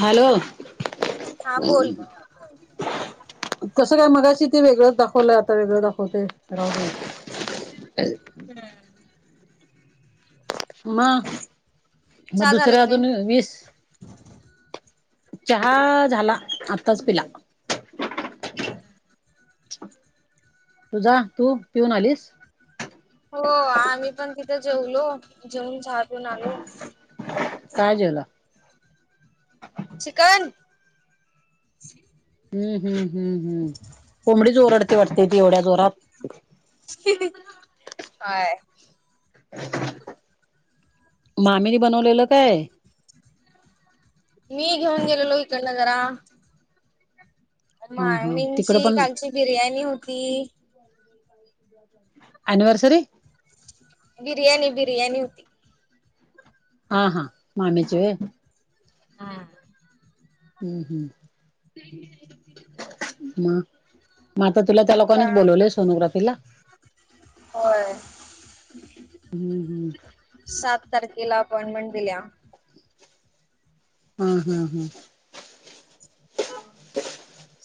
Hello. हा बोल कसं काय? मघाशी ते वेगळंच दाखवल्यात आता वेगळं दाखवतंय, राहू दे मग. चालेल. मग. मग चहा झाला दुसऱ्या की नाही अजून, वीस. चहा झाला, आत्ताच पिला. तुझा तू पिऊन आलीस? हो, आम्ही पण तिथे जेवलो. जेवून झाडून आलो. काय जेवला? चिकन. हम्म-हम्म-हम्म-हम्म, कोंबडीच ओरडते वाटतं, ती एवढ्या जोरात. ही-ही होय. मामीनी बनवलेलं काय? मी घेऊन गेलेलो, इकडंन जरा. हा हा तिकडं मामीची, कालची बिर्याणी होती. [inaudible] ऍनिवर्सरी? बिर्याणी, बिर्याणी होती. हा, हा, मामीची होय? हा. हम्म्-हम्म्. [unintelligible] मग? आता तुला, त्या लोकांनीच बोलवलंय सोनोग्राफीला? होय. हम्म्.. हम्म. सात तारखेला अपॉइंटमेंट दिल्या. हा.. हा.. हा.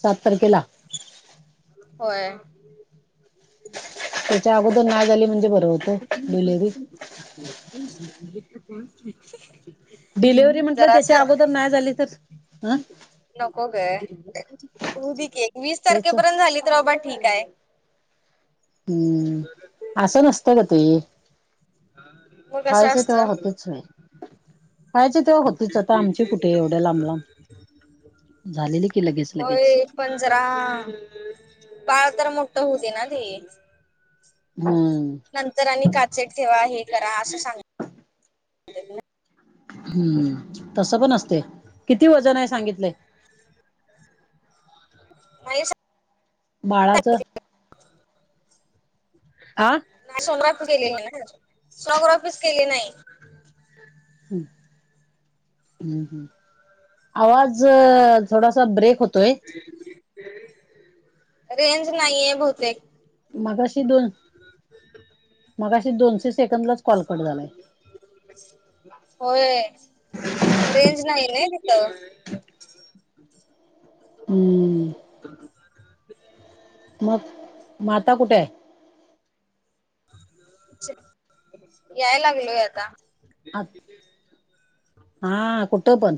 सात तारखेला? होय. त्याच्या अगोदर नाही झाली म्हणजे बरं होतंय, डिलेव्हरी. [unintelligible] [inaudible] डिलेव्हरी म्हटलं त्याच्या जरासं. अगोदर नाही झाली तर हं नको ग हुदे की एक वीस तेच तारखेपर्यंत झाली तर बाबा ठीक आहे. हम्म असं नसतं ग ते मग कसं व्हायचं तेव्हा असतं होतेच नाही. हायचे तेव्हा होतीच आता आमची कुठे एवढे लांब लांब- झालेली की, लगेच-लगेच. होय पण जरा, बाळ तर मोठ्ठ होवू दे ना ते. हम्म नंतर आणि काचेत ठेवा हे करा असं सांग- हम्म तसं पण असते, किती वजन आहे सांगितलेय? मश [unintelligible] बाळाचं. [unintelligible] आह. सोनोग्राफी केलेली नाही अजून, सोनोग्राफी केलेली च नाही. हम्म हम् ह आवाज थोडासा ब्रेक होतोय. रेंज नाही आहे बहुतेक. मगाशी दोन मगाशी दोनशे सेकंदलाच कॉलकट झालायं. होय रेंज नाही ना तिथं. हम्म मग माता कुठे आहे? याय लागलोय आता. अ [unintelligible] हा कुठं पण?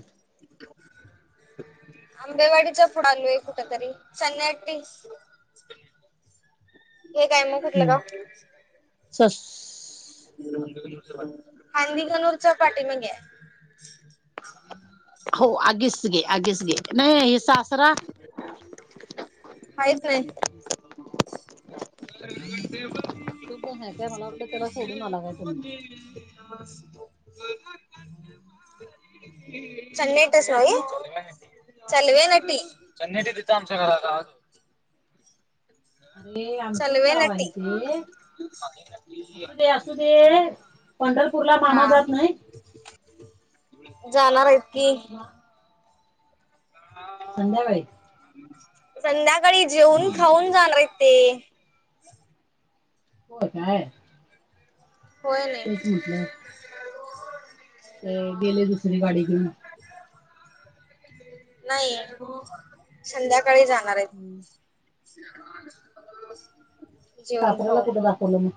आंबेवाडीचा पुढं आलोय कुठतरी सन्नटी. हे काय मग कुठलं गाव. सस् हांदी गनूरच्या पाठीमागे. हो आगीच घे आगीच घे नाही हि सासरा- हायचय [unintelligible] तो पण हाय काय मला वाटलं त्याला सोडून आलाय तुम्ही. नमस् [unintelligible] आणि मामा च्टस जात नाय नाही चालवे नटी [unintelligible] चनट दित अांश क का [unintelligible] अरे आमचंच चलवे गाव आहे नटी ते असू दे असू दे. पंढरपूरला मामा हा जात नाही. जाणार आहेत की. मा हा. संध्याकाळी. संध्याकाळी जेवून खाऊन जाणार आहेत ते. होयं काय. हो तेच नाही. म्हटलं ते गेले दुसरी गाडी घेऊन. नाही संध्याकाळी जाणार आहे. हम्म, जेवण सासऱ्याला खाऊन कुठं दाखवलं लगेच.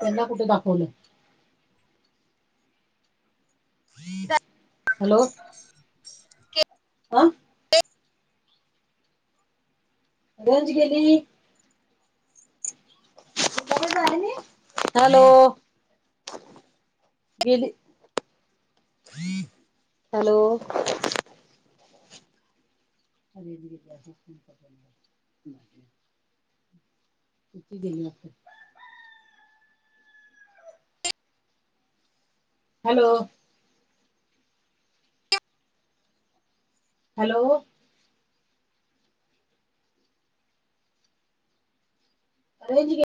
त्यांना कुठं दाखवलं. हॅलो! के. कोण? रोज गेली. डबल तरआहेनी हॅलो! गेली हॅलो! अरे [inaudible] किती दिले गेली आपे? हॅलो, ! हॅलो, ! कलेजी घे.